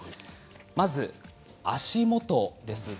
まず足元です。